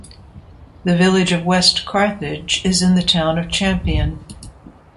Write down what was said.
The Village of West Carthage is in the Town of Champion.